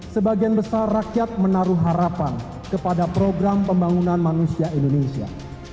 sebagian besar rakyat menaruh harapan kepada program pembangunan manusia indonesia